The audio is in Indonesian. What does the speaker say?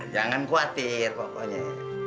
jangan khawatir pokoknya